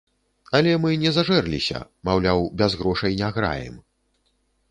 Але мы не зажэрліся, маўляў, без грошай не граем.